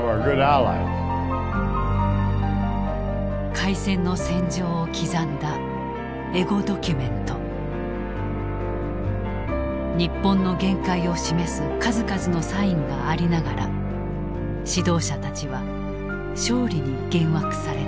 開戦の戦場を刻んだエゴドキュメント日本の限界を示す数々のサインがありながら指導者たちは勝利に幻惑された。